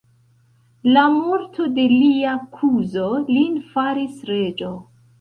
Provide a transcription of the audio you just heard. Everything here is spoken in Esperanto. La morto de lia kuzo lin faris reĝo.